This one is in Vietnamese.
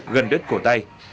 gần đất cổ tay